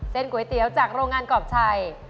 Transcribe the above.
ก๋วยเตี๋ยวจากโรงงานกรอบชัย